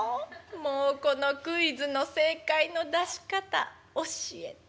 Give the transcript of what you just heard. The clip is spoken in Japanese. もうこのクイズの正解の出し方教えて。